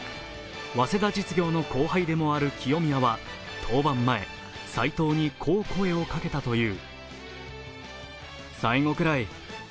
早稲田実業の後輩でもある清宮は登板前、斎藤にこう声をかけたという。